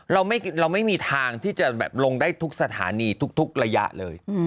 เราไม่มีทางที่จะแบบลงได้ทุกสถานีทุกระยะเลย